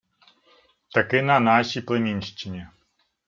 — Таки на нашій племінщині.